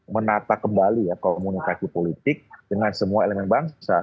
menata kembali ya komunikasi politik dengan semua elemen bangsa